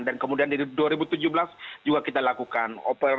dan kemudian di tahun dua ribu tujuh belas juga kita lakukan